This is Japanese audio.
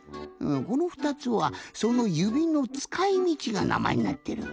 この２つはその指のつかいみちがなまえになってる。